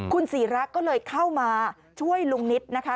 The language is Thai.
คุณศรีระก็เลยเข้ามาช่วยลุงนิตนะคะ